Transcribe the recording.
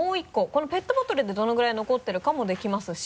このペットボトルでどのぐらい残ってるかもできますし。